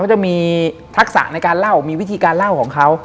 เขาจะมีทักษะในการเล่ามีวิธีการเล่าของเขา